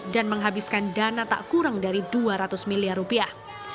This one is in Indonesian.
dan menghabiskan dana tak kurang dari dua ratus miliar rupiah